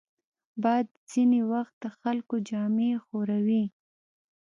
باد ځینې وخت د خلکو جامې ښوروي